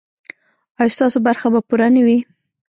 ایا ستاسو برخه به پوره نه وي؟